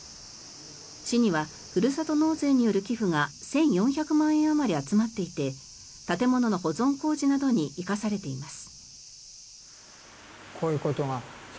市にはふるさと納税による寄付が１４００万円あまり集まっていて建物の保存工事などに生かされています。